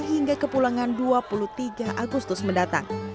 hingga kepulangan dua puluh tiga agustus mendatang